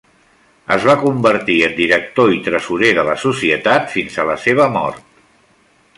Es va convertir en director i tresorer de la societat fins a la seva mort.